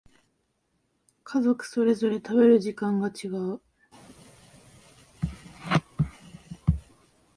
家族それぞれ食べる時間が違う